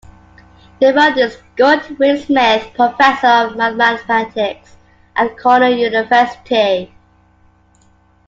Nerode is Goldwin Smith Professor of Mathematics at Cornell University.